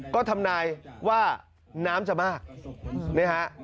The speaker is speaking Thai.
ก็ทำนายว่าน้ำจะมากนี่ฮะ